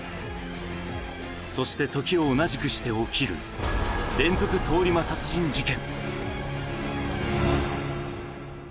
そして時を同じくして起きる、連続通り魔殺人事件。